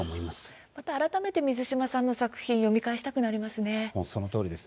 また改めて水島さんの作品を読み返してみたくなりますね。